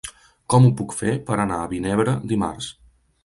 Com ho puc fer per anar a Vinebre dimarts?